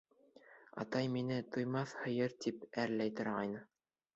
— Атай мине, туймаҫ һыйыр, тип әрләй торғайны.